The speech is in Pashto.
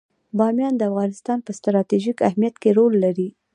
بامیان د افغانستان په ستراتیژیک اهمیت کې رول لري.